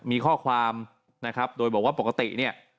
มีข้อความนะครับโดยบอกว่าปกติเนี่ย